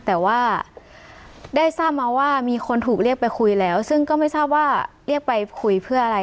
แต่ว่าได้ทราบมาว่ามีคนถูกเรียกไปคุยแล้วซึ่งก็ไม่ทราบว่าเรียกไปคุยเพื่ออะไร